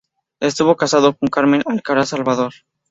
Estuvo casado con Carmen Alcaraz Salvador.